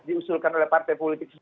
diusulkan oleh partai politik